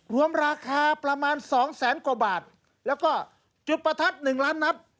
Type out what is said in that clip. รวมราคาประมาณสองแสนกว่าบาทแล้วก็จุดประทัด๑ล้านนับ